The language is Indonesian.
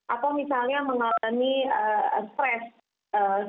atau misalnya mengalami stres